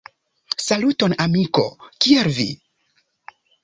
Saluton amiko, kiel vi?